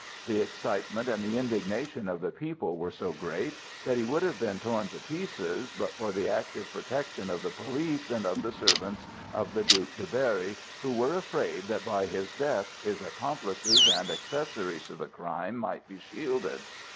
The excitement and the indignation of the people were so great that he would have been torn to pieces but for the active protection of the police and of the servants of the Duc de Berry who were afraid that by his death his accomplices and accessories to the crime might be shielded.